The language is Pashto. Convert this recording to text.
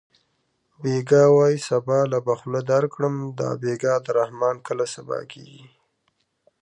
بېګا وایې سبا له به خوله درکړم دا بېګا د رحمان کله سبا کېږي